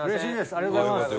ありがとうございます。